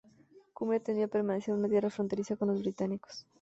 Cumbria tendió a permanecer una tierra fronteriza con los britanos.